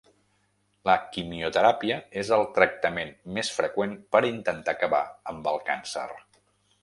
La quimioteràpia és el tractament més freqüent per intentar acabar amb el càncer.